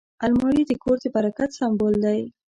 الماري د کور د برکت سمبول دی